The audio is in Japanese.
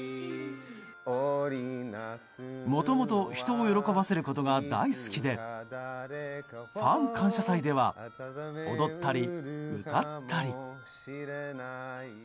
もともと人を喜ばせることが大好きでファン感謝祭では踊ったり歌ったり。